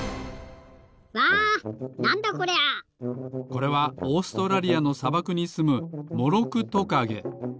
これはオーストラリアのさばくにすむモロクトカゲ。